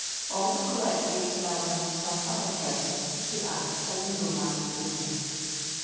All the collectors sell them to some other person, who acts as middle man in the business.